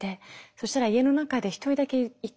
そしたら家の中で１人だけいて。